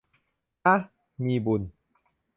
อ๊ะ มีบุญ